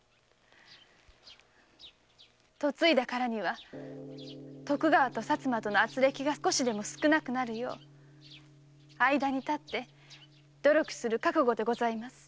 嫁いだからには徳川と薩摩との軋轢が少しでもなくなるよう間に立って努力する覚悟でございます。